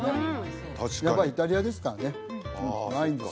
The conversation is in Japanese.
確かにやっぱイタリアですからねワインです